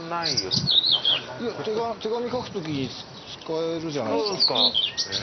いや手紙書くときに使えるじゃないですか。